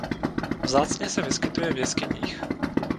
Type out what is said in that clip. Vzácně se vyskytuje v jeskyních.